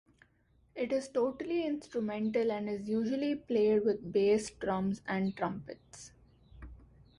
It is totally instrumental and is usually played with bass drums and trumpets.